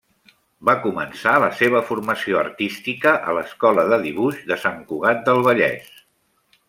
Va començar la seva formació artística a l'Escola de Dibuix de Sant Cugat del Vallès.